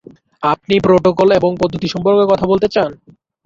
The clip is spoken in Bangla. আপনি প্রোটোকল এবং পদ্ধতি সম্পর্কে কথা বলতে চান!